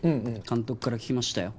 監督から聞きましたよ